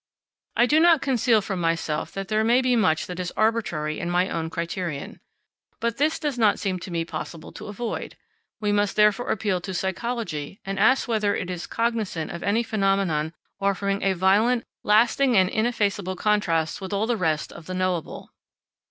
I do not conceal from myself that there may be much that is arbitrary in my own criterion; but this does not seem to me possible to avoid. We must therefore appeal to psychology, and ask whether it is cognisant of any phenomenon offering a violent, lasting, and ineffaceable contrast with all the rest of the knowable.